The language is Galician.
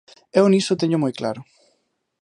Eu niso téñoo moi claro.